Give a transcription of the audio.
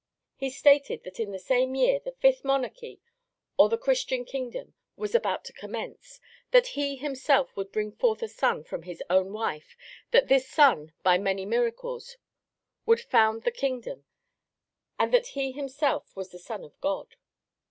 He stated that in that same year the Fifth Monarchy or the Christian Kingdom was about to commence, that he himself would bring forth a son from his own wife, that this son by many miracles would found the kingdom, and that he himself was the Son of God.